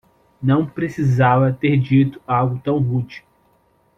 Não precisava ter dito algo tão rude